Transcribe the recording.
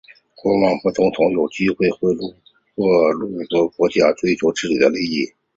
国王和总统都有动机会去剥削国家以追求自己的利益。